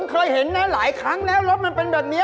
เคยเห็นนะหลายครั้งแล้วรถมันเป็นแบบนี้